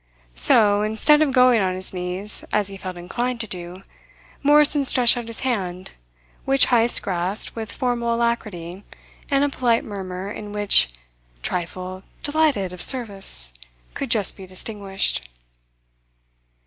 So, instead of going on his knees, as he felt inclined to do, Morrison stretched out his hand, which Heyst grasped with formal alacrity and a polite murmur in which "Trifle delighted of service," could just be distinguished.